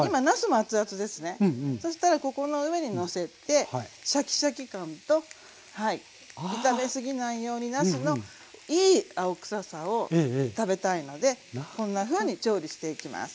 そしたらここの上にのせてシャキシャキ感と炒めすぎないようになすのいい青臭さを食べたいのでこんなふうに調理していきます。